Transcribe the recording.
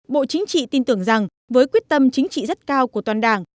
bộ chính trị tin tưởng rằng với quyết tâm chính trị rất cao của toàn đảng